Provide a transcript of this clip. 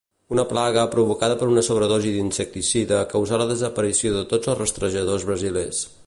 Una plaga provocada per una sobredosi d'insecticida causà la desaparició de tots els rastrejadors brasilers.